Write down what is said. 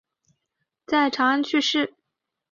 在长安去世。